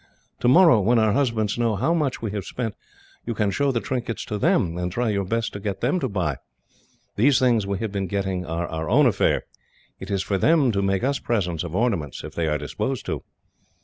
Tomorrow, when our husbands know how much we have spent, you can show the trinkets to them, and try your best to get them to buy. These things we have been getting are our own affair. It is for them to make us presents of ornaments, if they are disposed to.